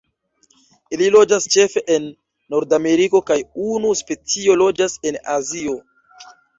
Ili loĝas ĉefe en Nordameriko kaj unu specio loĝas en Azio.